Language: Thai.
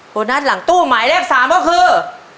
โบนัสหลังตู้หมายเลข๓ก็คือ